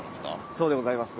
そうでございます。